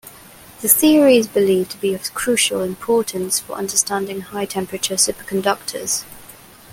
The theory is believed to be of crucial importance for understanding high temperature superconductors.